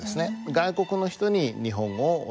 外国の人に日本語を教える。